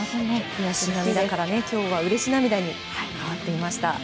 悔し涙からうれし涙に変わっていました。